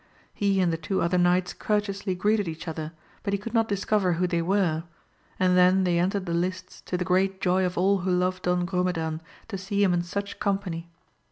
He and the two other knights courteously greeted each other, but he could not discover who they were, and then they entered the lists to the great joy of all who loved Don Grumedan, to see him in such company.